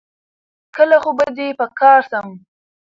کله خو به دي په کار سم